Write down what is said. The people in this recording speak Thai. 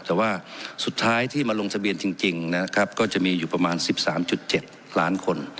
แต่ว่าสุดท้ายที่มาลงทะเบียนจริงนะครับก็จะมีอยู่ประมาณ๑๓๗ล้านคน